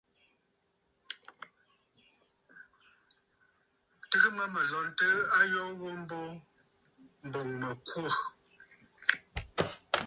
Tɨgə mə mə̀ lɔntə ayoo ghu mbo, m̀bɔŋ mə̀ kwô.